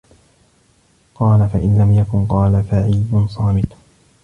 قَالَ فَإِنْ لَمْ يَكُنْ ؟ قَالَ فَعِيٌّ صَامِتٌ